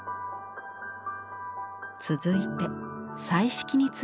続いて彩色についてです。